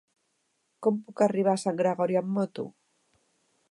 Com puc arribar a Sant Gregori amb moto?